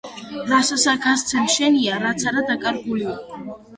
რასაცა გასცემ ,შენია რაც არა დაკარგულია